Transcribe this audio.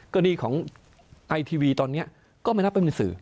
กฎิของไอทีวีตอนเนี้ยก็ไม่นับให้เป็นสื่อ